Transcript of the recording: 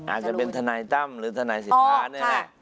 อาจจะเป็นทนายตั้มหรือทนายสิทธานี่แหละ